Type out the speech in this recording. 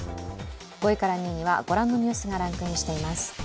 ５位から２位にはご覧のニュースがランクインしています。